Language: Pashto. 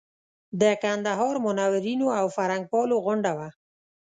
د کندهار منورینو او فرهنګپالو غونډه وه.